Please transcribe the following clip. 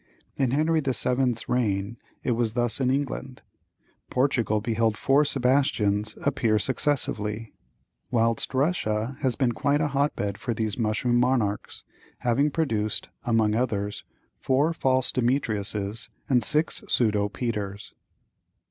In Henry the Seventh's reign it was thus in England; Portugal beheld four Sebastians appear successively; whilst Russia has been quite a hotbed for these mushroom monarchs, having produced, among others, four false Demetriuses and six pseudo Peters.